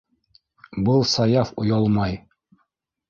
Ә был, Саяф, оялмай.